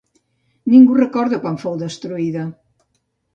Ningú recorda quan fou destruïda.